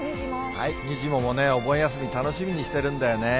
にじモもお盆休み、楽しみにしてるんだよね。